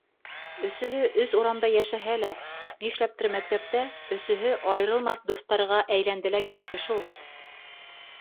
Өсөһө өс урамда йәшәһә лә, нишләптер мәктәптә өсөһө айырылмаҫ дуҫтарға әйләнде лә китте шул.